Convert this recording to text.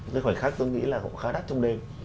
cái khoảnh khắc tôi nghĩ là cũng khá đắt trong đêm